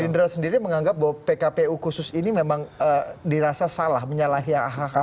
gerindra sendiri menganggap bahwa pkpu khusus ini memang dirasa salah menyalahi hak hak